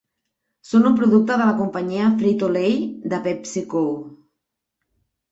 Són un producte de la companyia Frito-Lay de PepsiCo.